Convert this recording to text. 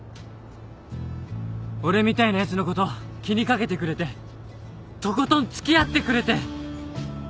俺みたいなやつのこと気に掛けてくれてとことん付き合ってくれて。